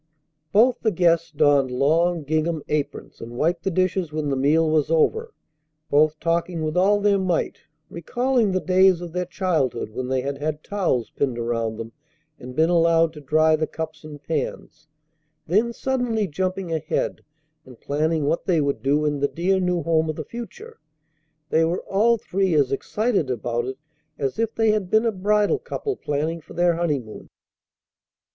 Both the guests donned long gingham aprons and wiped the dishes when the meal was over, both talking with all their might, recalling the days of their childhood when they had had towels pinned around them and been allowed to dry the cups and pans; then suddenly jumping ahead and planning what they would do in the dear new home of the future. They were all three as excited about it as if they had been a bridal couple planning for their honeymoon.